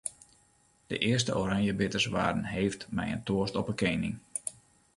De earste oranjebitters waarden heefd mei in toast op 'e kening.